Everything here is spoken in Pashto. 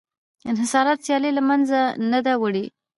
انحصاراتو سیالي له منځه نه ده وړې